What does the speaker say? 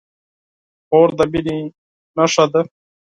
خور د مینې نښه ده.